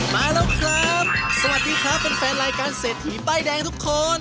มาแล้วครับสวัสดีครับแฟนรายการเศรษฐีป้ายแดงทุกคน